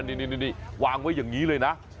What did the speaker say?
นี่วางไว้อย่างนี้เลยนะ